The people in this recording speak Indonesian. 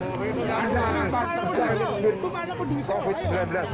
tidak ada kondisi itu tidak ada kondisi